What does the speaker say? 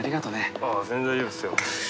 ああ全然大丈夫ですよ。